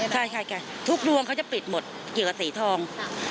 ใช่ที่๒ทุ่มทุ่มทุกรวงเขาจะปิดหมดเกี่ยวกับสีทอง